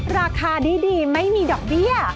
ราคาดีไม่มีดอกเบี้ย